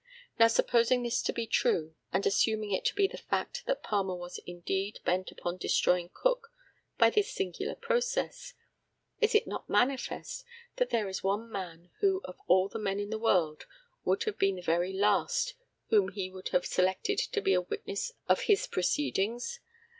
Now, supposing this to be true, and assuming it to be the fact that Palmer was indeed bent upon destroying Cook by this singular process, is it not manifest that there is one man who of all the men in the world would have been the very last whom he would have selected to be a witness of his proceedings?